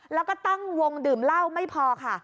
แล้วก็ตั้งวงดื่มเหล้าไม่พอค่ะ